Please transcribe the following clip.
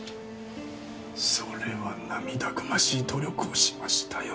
それは涙ぐましい努力をしましたよ。